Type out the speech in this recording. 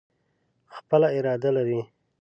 خپله اراده لري.